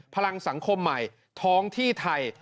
พลังสังคมใหม่ท้องที่ไทย